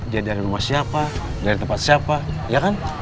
jadi dari rumah siapa dari tempat siapa iya kan